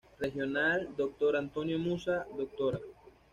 Regional Dr. Antonio Musa, Dra.